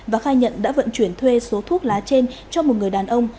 và khai nhận đã vận chuyển thuê số thuốc lá trên cho một người đàn ông